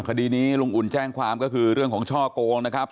คดีนี้ลุงอุ่นแจ้งความก็คือเรื่องของช่อโกงนะครับ